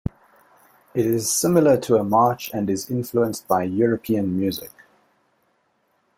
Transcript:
It is similar to a march and is influenced by European music.